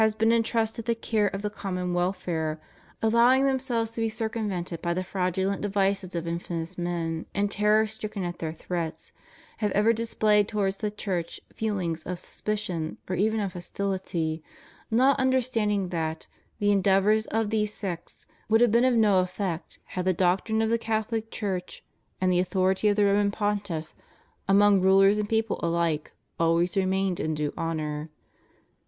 been entrusted the care of the common welfare, allowing themselves to be circumvented by the fraudulent devices of infamous men and terror stricken at their threats, have ever displayed towards the Church feelings of sus picion or even of hostility, not understanding that the endeavors of these sects would have been of no effect had the doctrine of the Catholic Church and the authority of the Roman Pontiffs, among rulers and peoples alike, always remained in due honor.